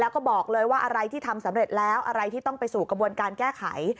แล้วก็บอกเลยว่าอะไรที่ทำสำเร็จแล้วอะไรที่ต้องไปสู่กระบวนการแก้ไข